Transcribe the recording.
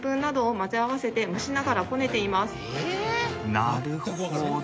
なるほど。